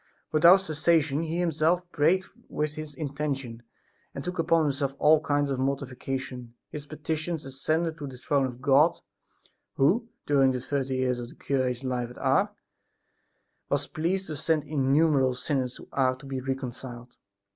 Without cessation he himself prayed with this intention and took upon himself all kinds of mortification. His petitions ascended to the throne of God, who, during the thirty years of the cure's life at Ars, was pleased to send innumerable sinners to Ars to be reconciled.